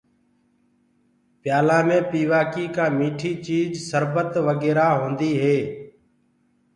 پيآلآ مي پيوآ ڪي ڪآ مٺي چيٚج سربت وگيرا هوندو هي۔